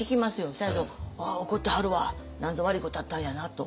せやけどああ怒ってはるわ何ぞ悪いことあったんやなと。